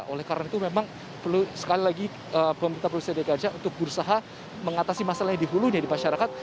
oleh karena itu memang perlu sekali lagi pemerintah provinsi dki untuk berusaha mengatasi masalah di hulunya di masyarakat